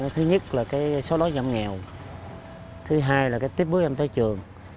thứ nhất là số lối nhậm nghèo thứ hai là tiếp bước em tới trường